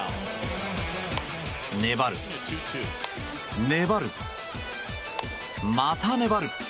粘る、粘る、また粘る。